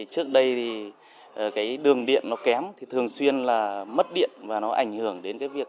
trước đây thì cái đường điện nó kém thì thường xuyên là mất điện và nó ảnh hưởng đến cái việc